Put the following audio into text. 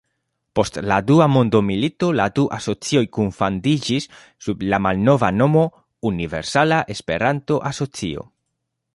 Post la dua mondomilito la du asocioj kunfandiĝis sub la malnova nomo Universala Esperanto-Asocio.